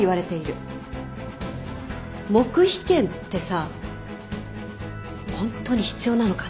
黙秘権ってさホントに必要なのかな？